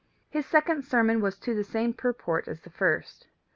His second sermon was to the same purport as the first.